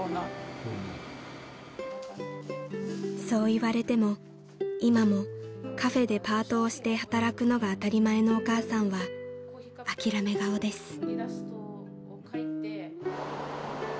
［そう言われても今もカフェでパートをして働くのが当たり前のお母さんは諦め顔です］